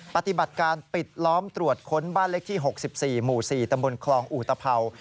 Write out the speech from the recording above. ปฏิบัติการปิดล้อมตรวจค้นบ้านเล็กที่๖๔หมู่๔ตำบลคลองอุตภัว